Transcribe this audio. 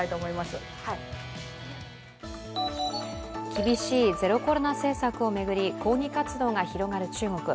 厳しいゼロコロナ政策を巡り抗議活動が広がる中国。